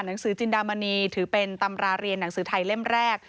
หนังสือจินดามณีถือเป็นตำราเรียนหนังสือไทยเล่มแรก